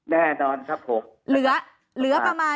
แน่นอนครับ